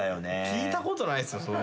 聞いたことないっすよ。